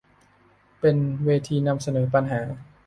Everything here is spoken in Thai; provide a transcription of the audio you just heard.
เป็นเวทีนำเสนอปัญหา